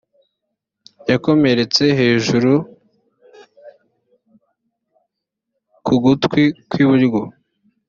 yakomeretse hejuru ku gutwi kw’iburyo